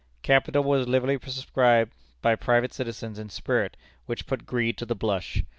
Capital was liberally subscribed by private citizens in a spirit which put greed to the blush.